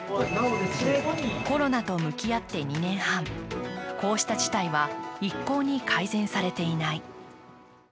コロナと向き合って２年半、こうした事態は一向に改善されていない。